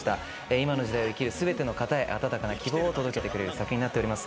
今の時代を生きる全ての方へ温かな希望を届けてくれる作品になっております。